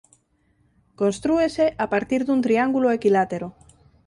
Constrúese a partir dun triángulo equilátero.